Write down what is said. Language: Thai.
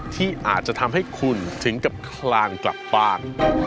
ที่อาจจะทำให้คุณถึงกับคลานกลับบ้าน